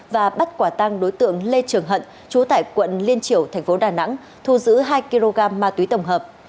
và bắt quả tang đối tượng lê trường hận chú tại quận liên triểu tp đà nẵng thu giữ hai kg ma túy tổng hợp